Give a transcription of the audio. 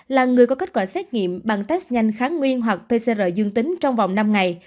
là người có kết quả xét nghiệm bằng test nhanh kháng nguyên hoặc pcr dương tính trong vòng năm ngày